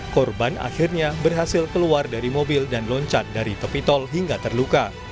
korban akhirnya berhasil keluar dari mobil dan loncat dari tepi tol hingga terluka